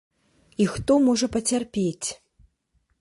І хто можа пацярпець.